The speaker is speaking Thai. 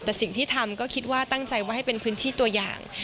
แต่สิ่งที่ทำก็คิดว่าตั้งใจว่าให้เป็นพื้นที่ตัวอย่าง